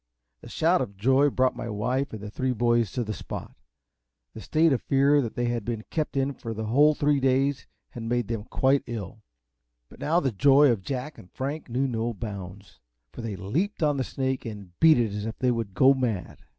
A shout of joy brought my wife and the three boys to the spot. The state of fear they had been kept in for three whole days had made them quite ill, but now the joy of Jack and Frank knew no bounds, for they leaped on the snake and beat it as if they would go mad.